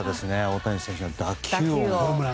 大谷選手の打球音が。